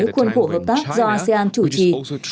khuôn khổ hợp tác do asean chủ trì